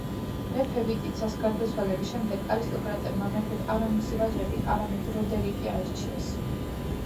მეფე ვიტიცას გარდაცვალების შემდეგ არისტოკრატებმა მეფედ არა მისი ვაჟები, არამედ როდერიკი აირჩიეს.